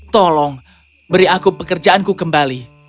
tolong beri aku pekerjaanku kembali